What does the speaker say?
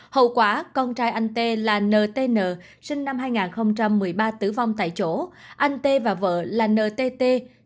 hậu quả con trai anh t là ntn sinh năm hai nghìn một mươi ba tử vong tại chỗ anh tê và vợ là ntt